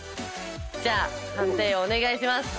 じゃあ判定をお願いします。